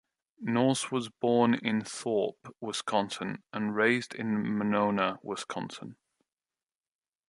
North was born in Thorp, Wisconsin, and raised in Monona, Wisconsin.